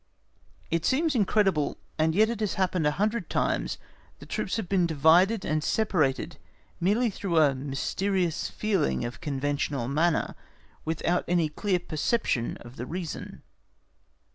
It seems incredible, and yet it has happened a hundred times, that troops have been divided and separated merely through a mysterious feeling of conventional manner, without any clear perception of the reason.